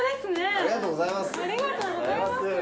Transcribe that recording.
ありがとうございます。